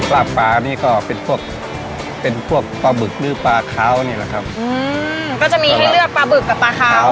ปลานี่ก็เป็นพวกเป็นพวกปลาบึกหรือปลาขาวนี่แหละครับอืมก็จะมีให้เลือกปลาบึกกับปลาขาว